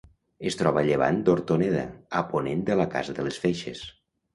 Es troba a llevant d'Hortoneda, a ponent de la Casa de les Feixes.